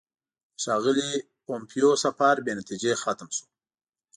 د ښاغلي پومپیو سفر بې نتیجې ختم شو.